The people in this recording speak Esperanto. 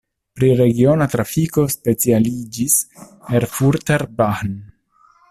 Pri regiona trafiko specialiĝis Erfurter Bahn.